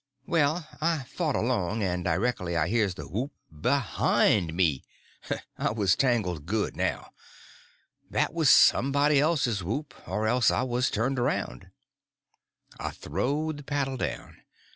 Well, I fought along, and directly I hears the whoop behind me. I was tangled good now. That was somebody else's whoop, or else I was turned around. I throwed the paddle down.